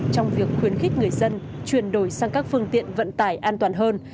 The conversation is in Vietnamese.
trong việc khuyến khích người dân chuyển đổi sang các phương tiện vận tải an toàn hơn